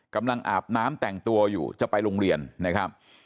อาบน้ำแต่งตัวอยู่จะไปโรงเรียนนะครับ